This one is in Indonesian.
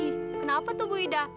ih kenapa tuh bu ida